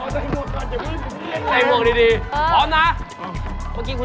ผมใส่มองก่อนอย่าไปกับมันเยี่ยม